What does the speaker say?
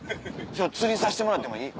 釣りさしてもらってもいい？